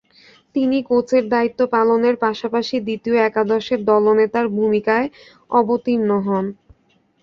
তিনি কোচের দায়িত্ব পালনের পাশাপাশি দ্বিতীয় একাদশের দলনেতার ভূমিকায় অবতীর্ণ হন।